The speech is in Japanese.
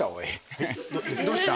どうした？